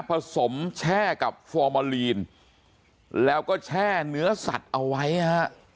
ผสมแช่กับฟอร์มาลีนแล้วก็แช่เนื้อสัตว์เอาไว้ฮะ